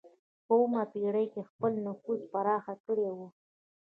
په اوومه پېړۍ کې یې خپل نفوذ پراخ کړی و.